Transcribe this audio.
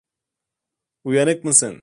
Uyanık mısın?